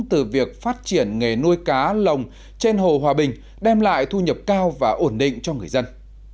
từ việc phát triển nghề nuôi cá lồng trên hồ hòa bình đem lại thu nhập cao và ổn định cho người dân